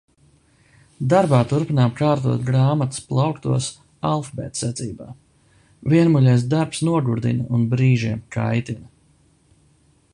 Darbā turpinām kārtot grāmatas plauktos alfabēta secībā. Vienmuļais darbs nogurdina un brīžiem kaitina.